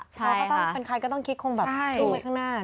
พี่เราต้องคิดคงอยู่ไกลข้างหน้า